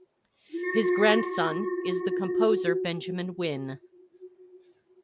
His grandson is the composer Benjamin Wynn.